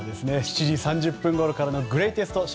７時３０分ごろからのグレイテスト